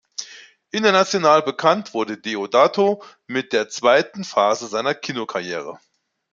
International bekannt wurde Deodato mit der zweiten Phase seiner Kinokarriere.